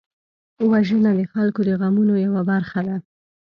وژنه د خلکو د غمونو یوه برخه ده